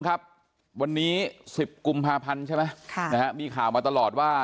ครับวันนี้๑๐กุมภาพันธ์ใช่ไหมมีข่าวมาตลอดว่า